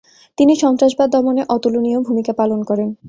তিনি সন্ত্রাসবাদ দমনে অতুলনীয় ভূমিকা পালন করেন।